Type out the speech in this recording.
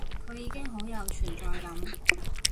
佢已經好有存在感